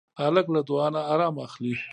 هلک له دعا نه ارام اخلي.